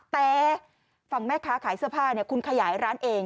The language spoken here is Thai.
แต่ฝั่งแม่ค้าขายเสื้อผ้าคุณขยายร้านเอง